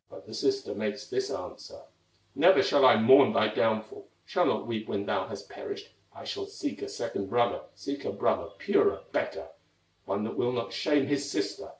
But the sister makes this answer: "Never shall I mourn thy downfall, Shall not weep when thou hast perished; I shall seek a second brother, Seek a brother, purer, better, One that will not shame his sister!"